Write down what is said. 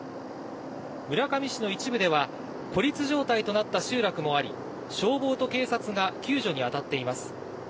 村上市の一部では、孤立状態となった集落もあり、消防と警察が救助に当たっています。